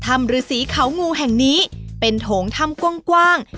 ฤษีเขางูแห่งนี้เป็นโถงถ้ำกว้าง